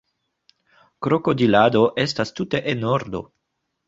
Krokodilado estas tute enordo